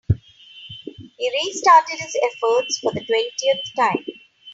He restarted his efforts for the twentieth time.